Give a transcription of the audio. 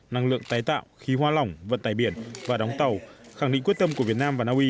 năng lượng tái tạo khí hoa lỏng vận tài biển và đóng tàu khẳng định quyết tâm của việt nam và naui